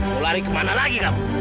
mau lari kemana lagi kamu